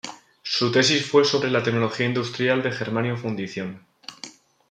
Su tesis fue sobre la tecnología industrial de germanio fundición.